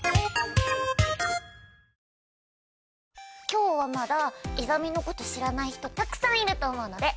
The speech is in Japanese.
今日はまだイザミのこと知らない人たくさんいると思うので。